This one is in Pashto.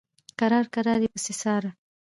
کرار کرار یې پسې څاره.